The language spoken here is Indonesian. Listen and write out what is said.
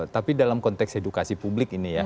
tapi dalam konteks edukasi publik ini ya